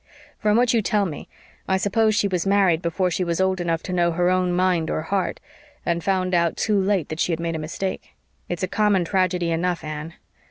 "From what you tell me I suppose she was married before she was old enough to know her own mind or heart, and found out too late that she had made a mistake. It's a common tragedy enough, Anne.